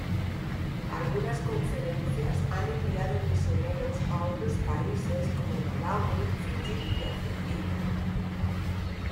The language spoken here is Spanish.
Algunas conferencias han enviado misioneros a otros países como Malawi, Fiyi y Argentina.